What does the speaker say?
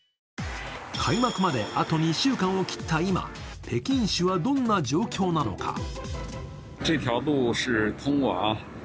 開幕まであと２週間を切った今、北京市はどんな状況なのか。